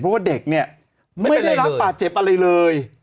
เพราะว่าเด็กเนี่ยไม่ได้รับบาดเจ็บอะไรเลย